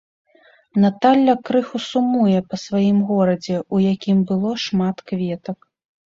Наталля крыху сумуе па сваім горадзе, у якім было шмат кветак.